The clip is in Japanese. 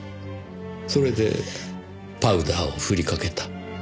それでパウダーをふりかけた。